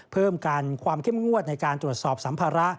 เพิ่มการความเข้มงวดในการตรวจสอบสัมภาระ